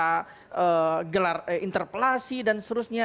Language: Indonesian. mereka bisa gelar interpelasi dan seterusnya